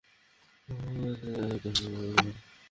ইলাঙ্গো, কোথায় তুই?